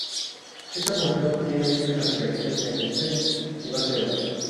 Esta función tiene útiles aplicaciones en streaming y bases de datos.